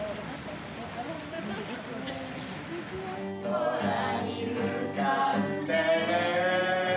「空に浮かんでる」